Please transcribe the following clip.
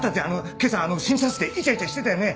今朝診察室でイチャイチャしてたよね？